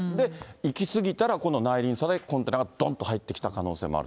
行き過ぎたら、今度、内輪差でコンテナがどんと入ってきた可能性もある。